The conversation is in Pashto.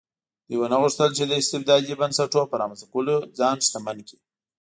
دوی ونه غوښتل چې د استبدادي بنسټونو په رامنځته کولو ځان شتمن کړي.